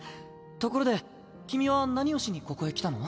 ところで君は何をしにここへ来たの？